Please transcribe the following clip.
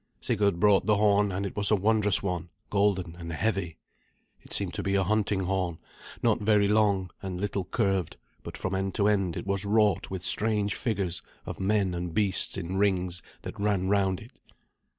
Sigurd brought the horn, and it was a wondrous one, golden and heavy. It seemed to be a hunting horn, not very long, and little curved, but from end to end it was wrought with strange figures of men and beasts in rings that ran round it.